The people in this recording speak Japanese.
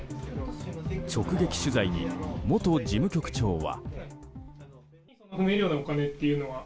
直撃取材に元事務局長は。